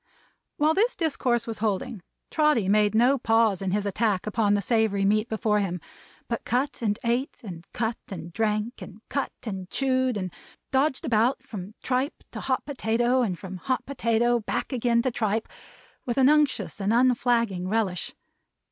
While this discourse was holding, Trotty made no pause in his attack upon the savory meat before him, but cut and ate, and cut and drank, and cut and chewed, and dodged about, from tripe to hot potato, and from hot potato back again to tripe, with an unctuous and unflagging relish.